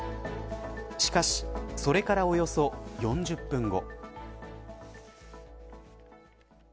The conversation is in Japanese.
しかし、それからおよそ４０分後。